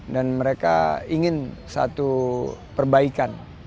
dan mereka ingin satu perbaikan